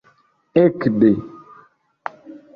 ekde